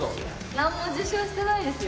なんも受賞してないですよ？